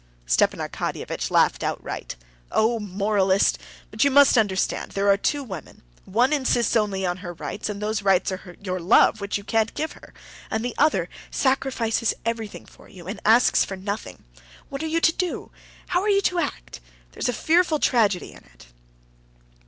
Stepan Arkadyevitch laughed outright. "Oh, moralist! But you must understand, there are two women; one insists only on her rights, and those rights are your love, which you can't give her; and the other sacrifices everything for you and asks for nothing. What are you to do? How are you to act? There's a fearful tragedy in it."